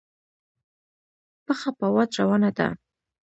پښه په واټ روانه ده.